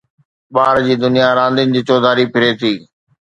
ٻار جي دنيا رانديڪن جي چوڌاري ڦري ٿي